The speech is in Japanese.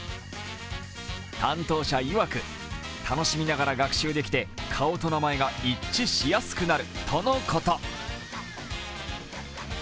担当者いわく楽しみながら学習できて顔と名前が一致しやすくなるとのこと。